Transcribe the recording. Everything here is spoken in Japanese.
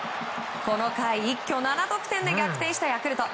この回、一挙７得点で逆転したヤクルト。